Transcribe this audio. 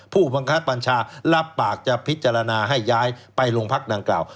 ผู้บังคับบัญชารับปากจะพิจารณาให้ย้ายไปโรงพักดังกล่าว